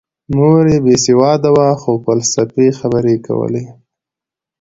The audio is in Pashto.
مور یې بې سواده وه خو فلسفي خبرې یې کولې